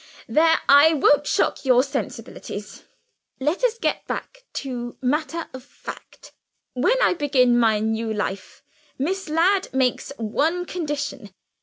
there! I won't shock your sensibilities. Let us get back to matter of fact. When I begin my new life, Miss Ladd makes one condition.